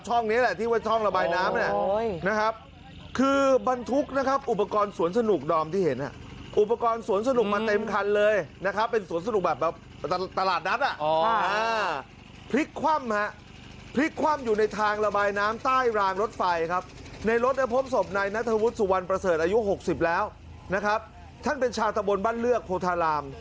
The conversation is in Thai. ช่องนี้แหละที่ไว้ช่องระบายน้ำ